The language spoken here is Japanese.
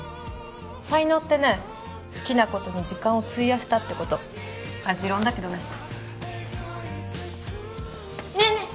才能ってね好きなことに時間を費やしたってことまあ持論だけどねねえねえ